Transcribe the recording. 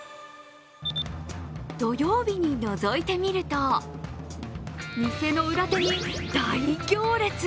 土曜日にのぞいてみると店の裏手に、大行列。